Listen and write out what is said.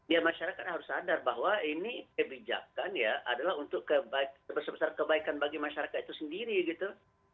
ya masyarakat harus sadar bahwa ini kebijakan ya adalah untuk sebesar kebaikan bagi masyarakat itu sendiri gitu